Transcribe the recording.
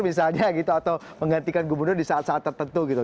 misalnya gitu atau menggantikan gubernur di saat saat tertentu gitu